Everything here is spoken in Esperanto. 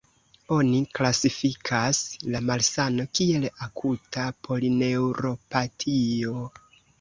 Oni klasifikas la malsano kiel akuta polineuropatio.